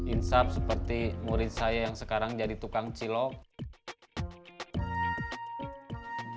insaf seperti murid saya yang sekarang jadi tukang cilok